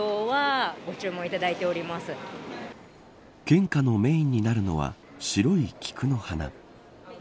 献花のメーンになるのは白い菊の花。